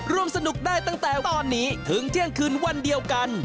ร่วมสนุกได้ตั้งแต่ตอนนี้ถึงเที่ยงคืนวันเดียวกัน